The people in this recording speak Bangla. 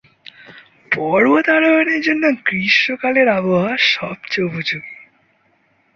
এই পর্বত আরোহণের জন্য গ্রীষ্মকালের আবহাওয়া সবচেয়ে উপযোগী।